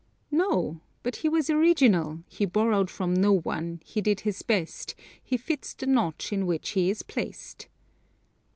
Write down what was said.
No; but he was original, he borrowed from no one, he did his best, he fits the notch in which he is placed.